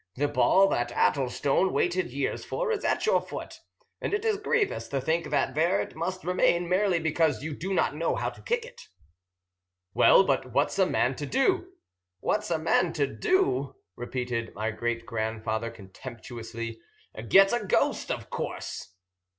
The ball that Addlestone waited years for is at your foot, and it is grievous to think that there it must remain merely because you do not know how to kick it." "Well, but what's a man to do?" "What's a man to do?" repeated my great grandfather contemptuously. "Get a ghost, of course."